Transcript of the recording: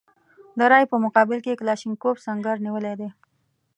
د رایې په مقابل کې کلاشینکوف سنګر نیولی دی.